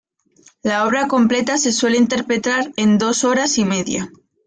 La obra completa se suele interpretar en dos horas y media.